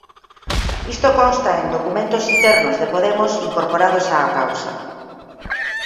Isto consta en documentos internos de Podemos incorporados á causa.